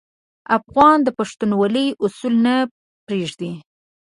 افغان د پښتونولي اصول نه پرېږدي.